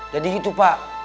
jadi gitu pak